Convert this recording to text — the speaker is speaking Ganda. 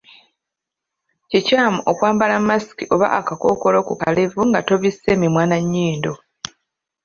Kikyamu okwambala masiki oba akakookolo ku kalevu nga tobisse mimwa na nnyindo.